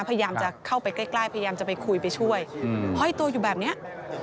พยายามจะเข้าไปใกล้พยายามจะไปคุยไปช่วยห้อยตัวอยู่แบบเนี้ย